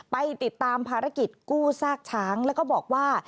ไปติดตามภารกิจกู้ซากช้างแล้วก็บอกว่า